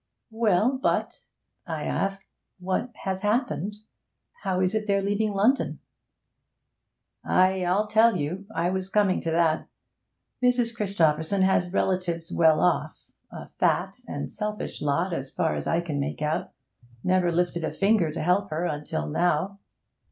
'Well, but,' I asked, 'what has happened. How is it they're leaving London?' 'Ay, I'll tell you; I was coming to that. Mrs. Christopherson has relatives well off a fat and selfish lot, as far as I can make out never lifted a finger to help her until now.